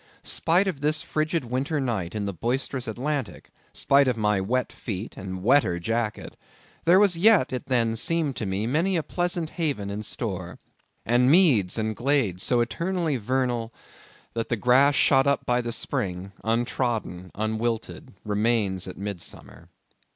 Spite of this frigid winter night in the boisterous Atlantic, spite of my wet feet and wetter jacket, there was yet, it then seemed to me, many a pleasant haven in store; and meads and glades so eternally vernal, that the grass shot up by the spring, untrodden, unwilted, remains at midsummer.